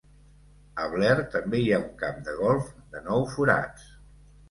A Blair també hi ha un camp de golf de nou forats.